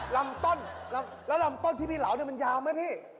ลำต้นแล้วลำต้นที่พี่เหลาเนี่ยมันยาวไหมพี่